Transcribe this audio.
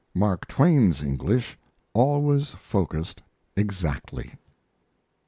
Mark Twain's English always focused exactly.